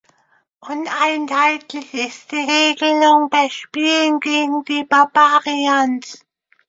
Uneinheitlich ist die Regelung bei Spielen gegen die Barbarians.